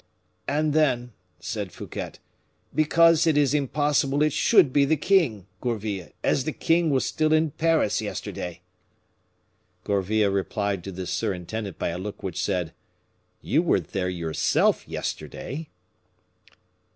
"And then," said Fouquet, "because it is impossible it should be the king, Gourville, as the king was still in Paris yesterday." Gourville replied to the surintendant by a look which said: "You were there yourself yesterday."